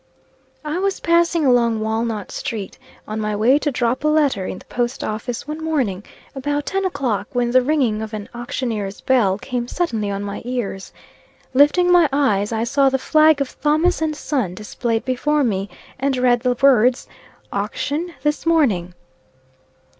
I was passing along Walnut street, on my way to drop a letter in the Post Office, one morning, about ten o'clock, when the ringing of an auctioneer's bell came suddenly on my ears. Lifting my eyes, I saw the flag of Thomas & Son displayed before me, and read the words, "Auction this morning."